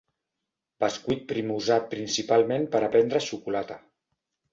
Bescuit prim usat principalment per a prendre xocolata.